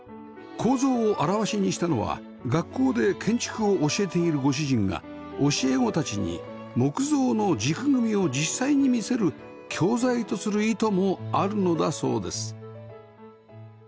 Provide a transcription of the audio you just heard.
構造を現しにしたのは学校で建築を教えているご主人が教え子たちに木造の軸組を実際に見せる教材とする意図もあるのだそうです